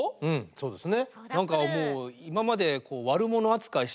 そうですね。